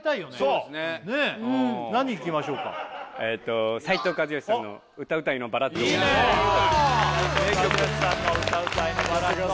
そうねっ何いきましょうかえっと斉藤和義さんの「歌うたいのバラッド」をいいね斉藤和義さんの「歌うたいのバラッド」